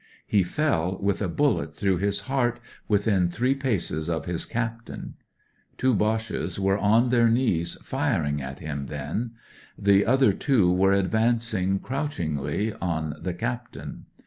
He fell, with a bullet through his heart, within three paces of his captain. Two Boches were on their 216 THE SOUTH AFRICAN knees firing at him then. The other two were advancing, crouchingly, on the cap tain.